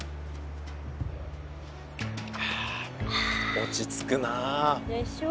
落ち着くなあ。でしょ。